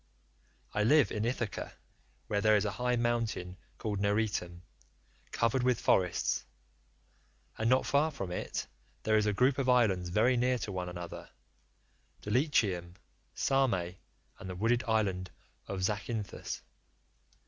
I live in Ithaca, where there is a high mountain called Neritum, covered with forests; and not far from it there is a group of islands very near to one another—Dulichium, Same, and the wooded island of Zacynthus.